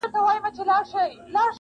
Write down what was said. معلومه نه ده چي بوډا ته یې دی غوږ نیولی-